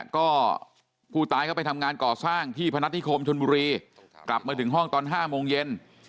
ก็ผู้ตายก็ไปทำงานก่อสร้างที่พนัฐนิคมชนบุรีกลับมาถึงห้องตอน๕โมงเย็น